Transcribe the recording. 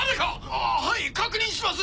あはい確認します！